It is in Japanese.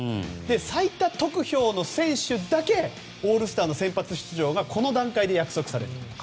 最多得票の選手だけオールスターの先発出場がこの段階で約束されると。